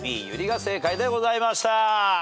Ｂユリが正解でございました。